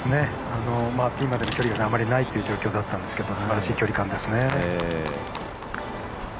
ピンまでの距離があまりない状況だったんですけどすばらしい距離感ですね。